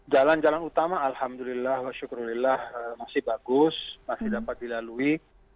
jalan jalan utama alhamdulillah masyukurillah masih bagus masih dapat dilalui